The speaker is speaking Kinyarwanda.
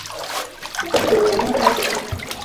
bwo kugereranya no gufata